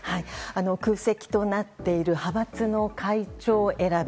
空席となっている派閥の会長選び。